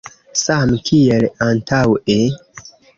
Same kiel antaŭe.